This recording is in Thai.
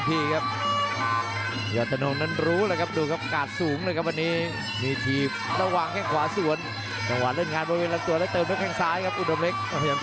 ทำยังจะและควดมาดไปวันนั่งด้วก่อนแล้วมาเยอะครับอุดมเล็ก